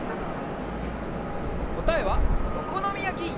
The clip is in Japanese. こたえはおこのみやき！